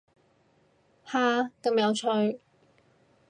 下，咁有趣